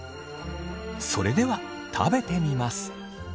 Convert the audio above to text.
それでは食べてみます。